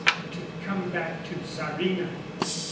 To come back to Czarina.